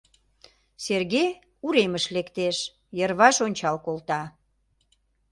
Сергей уремыш лектеш, йырваш ончал колта.